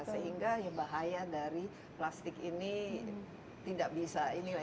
sehingga ya bahaya dari plastik ini tidak bisa ini lah